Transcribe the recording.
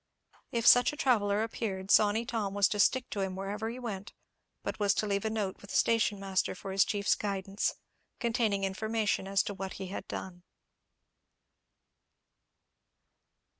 If such a traveller appeared, Sawney Tom was to stick to him wherever he went; but was to leave a note with the station master for his chief's guidance, containing information as to what he had done.